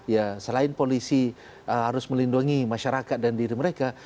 ya selain polisi harus melindungi masyarakat dan diri mereka